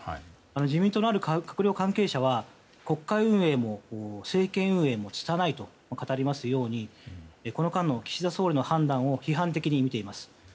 自民党のある閣僚関係者は国会運営も政権運営もつたないと語りますようにこの間の岸田総理の判断を批判的に見ています。